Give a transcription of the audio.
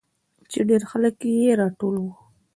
چې ډېرخلک پې راټول وو.